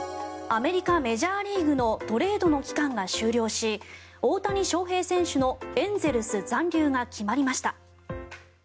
アメリカ・メジャーリーグのトレードの期間が終了し大谷翔平選手のエンゼルス残留が決まりました。